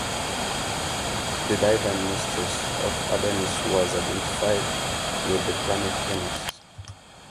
The divine mistress of Adonis was identified with the planet Venus.